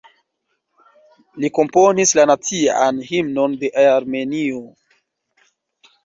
Li komponis la Nacian Himnon de Armenio.